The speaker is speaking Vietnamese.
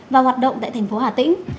và hoạt động tại thành phố hà tĩnh